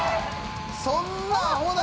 そんなアホな！